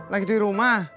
lagi di rumah